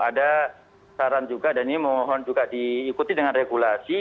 ada saran juga dan ini mohon juga diikuti dengan regulasi